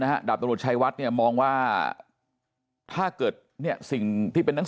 นะฌาบนทรวจชายวัดมองว่าถ้าเกิดเนี่ยสิ่งที่เป็นหนัง